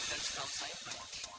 dan kau saya pak